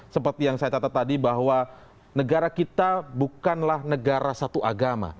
seperti yang saya catat tadi bahwa negara kita bukanlah negara satu agama